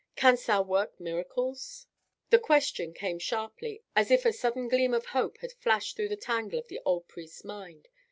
Canst thou work miracles?" The question came sharply, as if a sudden gleam of hope had flashed through the tangle of the old priest's mind.